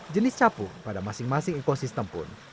jenis capung pada masing masing ekosistem pun berbeda